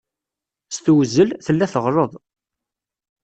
S tewzel, tella teɣleḍ.